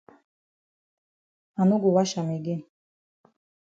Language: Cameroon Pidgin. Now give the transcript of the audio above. I no go wash am again.